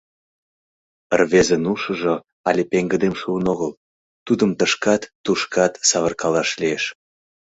Рвезын ушыжо але пеҥгыдем шуын огыл, тудым тышкат, тушкат савыркалаш лиеш.